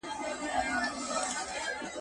پيغمبر د ژبي د ساتنې په اړه ډير احاديث ويلي دي.